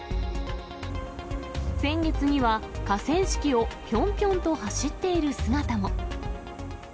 先月には、河川敷をぴょんぴょんと走っている姿も。